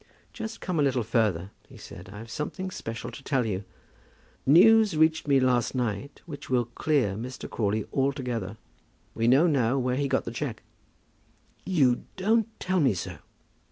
"Just come a little further," he said; "I've something special to tell you. News reached me last night which will clear Mr. Crawley altogether. We know now where he got the cheque." "You don't tell me so!"